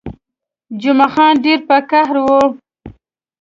جمعه خان ډېر په قهر وو.